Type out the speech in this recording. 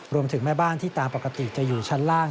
แม่บ้านที่ตามปกติจะอยู่ชั้นล่าง